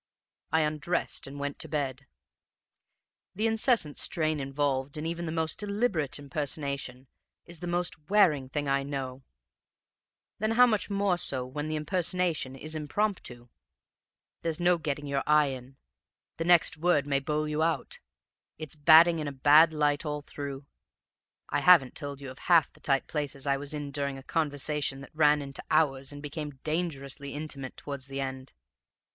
I undressed and went to bed. The incessant strain involved in even the most deliberate impersonation is the most wearing thing I know; then how much more so when the impersonation is impromptu! There's no getting your eye in; the next word may bowl you out; it's batting in a bad light all through. I haven't told you of half the tight places I was in during a conversation that ran into hours and became dangerously intimate towards the end.